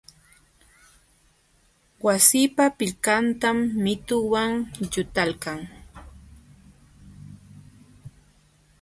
Wasipa pilqantam mituwan llutaykan.